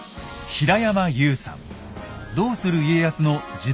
「どうする家康」の時代